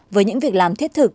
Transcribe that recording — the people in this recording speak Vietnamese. với những việc làm thiết thực